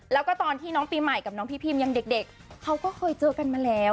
แล้วก็ตอนที่น้องปีใหม่กับน้องพี่พิมยังเด็กเขาก็เคยเจอกันมาแล้ว